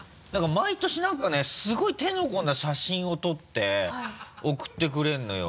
毎年何かねすごい手の込んだ写真を撮って送ってくれるのよ。